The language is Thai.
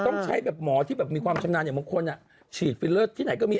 ต้องใช้แบบหมอที่แบบมีความชำนาญอย่างบางคนฉีดฟิลเลอร์ที่ไหนก็มี